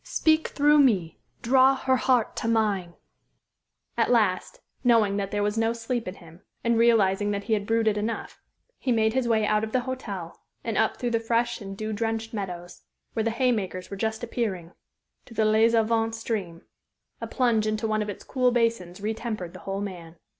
Speak through me! Draw her heart to mine_." At last, knowing that there was no sleep in him, and realizing that he had brooded enough, he made his way out of the hotel and up through the fresh and dew drenched meadows, where the haymakers were just appearing, to the Les Avants stream. A plunge into one of its cool basins retempered the whole man.